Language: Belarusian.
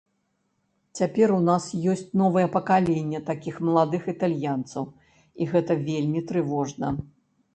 Цяпер у нас ёсць новае пакаленне такіх маладых італьянцаў, і гэта вельмі трывожна.